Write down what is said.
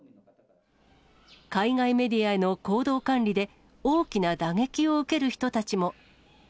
海外メディアへの行動管理で、大きな打撃を受ける人たちも。